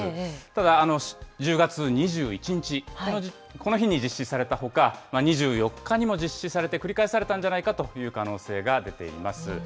ただ、１０月２１日、この日に実施されたほか、２４日にも実施されて繰り返されたんじゃないかという可能性が出ています。